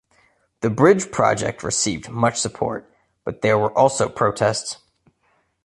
The bridge project received much support, but there were also protests.